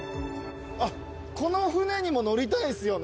この船にも乗りたいんすよね。